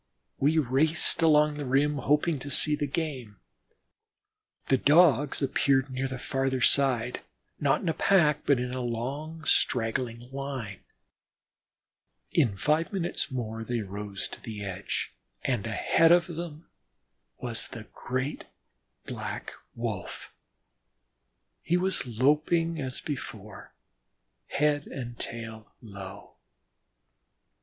We raced along the rim, hoping to see the game. The Dogs appeared near the farther side, not in a pack, but a long, straggling line. In five minutes more they rose to the edge, and ahead of them was the great Black Wolf. He was loping as before, head and tail low.